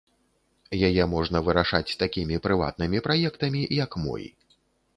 Яе можна вырашаць такімі прыватнымі праектамі, як мой.